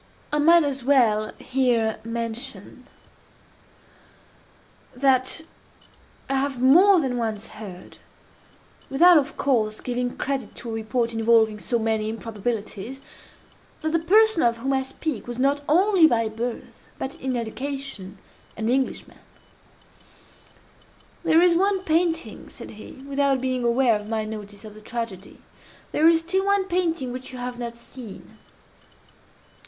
I might as well here mention, that I have more than once heard, (without, of course, giving credit to a report involving so many improbabilities,) that the person of whom I speak, was not only by birth, but in education, an Englishman. "There is one painting," said he, without being aware of my notice of the tragedy—"there is still one painting which you have not seen."